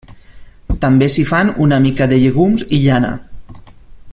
També s'hi fan una mica de llegums i llana.